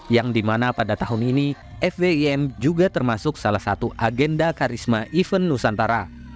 yang dimana pada tahun ini fbim juga termasuk salah satu agenda karisma event nusantara